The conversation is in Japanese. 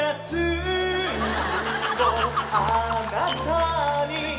すごい！